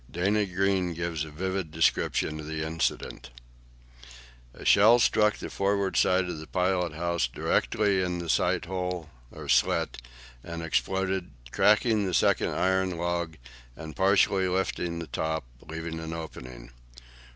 Dana Greene gives a vivid description of the incident: "A shell struck the forward side of the pilot house directly in the sight hole or slit, and exploded, cracking the second iron log and partly lifting the top, leaving an opening.